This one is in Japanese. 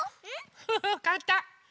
フフかんたん。